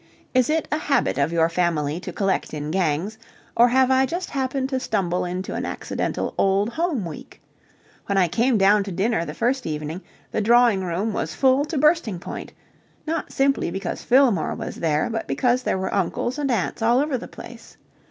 Is it a habit of your family to collect in gangs, or have I just happened to stumble into an accidental Old Home Week? When I came down to dinner the first evening, the drawing room was full to bursting point not simply because Fillmore was there, but because there were uncles and aunts all over the place.